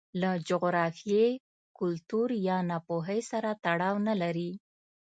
له جغرافیې، کلتور یا ناپوهۍ سره تړاو نه لري.